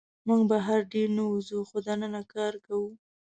موږ بهر ډېر نه وځو، خو دننه کار کوو.